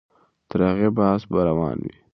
تر هغې بحث به روان وي.